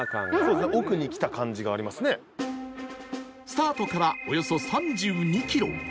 スタートからおよそ３２キロ